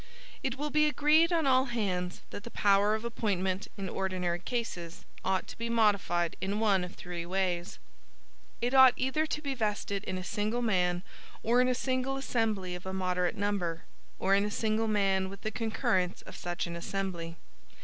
It will be agreed on all hands, that the power of appointment, in ordinary cases, ought to be modified in one of three ways. It ought either to be vested in a single man, or in a select assembly of a moderate number; or in a single man, with the concurrence of such an assembly.